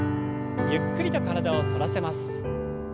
ゆっくりと体を反らせます。